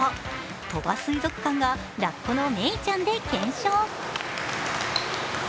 鳥羽水族館がラッコのメイちゃんで検証。